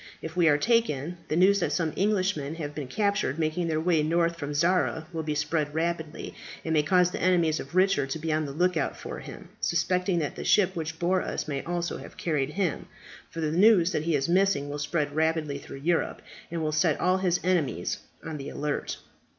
If we are taken, the news that some Englishmen have been captured making their way north from Zara will spread rapidly, and may cause the enemies of Richard to be on the look out for him, suspecting that the ship which bore us may also have carried him; for the news that he is missing will spread rapidly through Europe, and will set all his enemies on the alert."